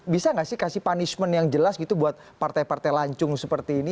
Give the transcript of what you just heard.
bisa nggak sih kasih punishment yang jelas gitu buat partai partai lancung seperti ini